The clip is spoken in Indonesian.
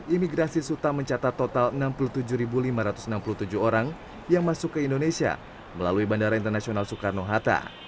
imigrasi suta mencatat total enam puluh tujuh lima ratus enam puluh tujuh orang yang masuk ke indonesia melalui bandara internasional soekarno hatta